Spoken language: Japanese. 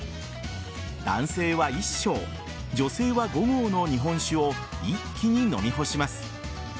男性は１升女性は５合の日本酒を一気に飲み干します。